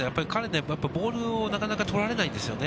ボールをなかなか取られないんですよね。